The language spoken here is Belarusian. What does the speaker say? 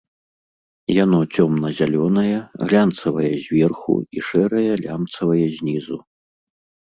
Яно цёмна-зялёнае, глянцавае зверху і шэрае лямцавае знізу.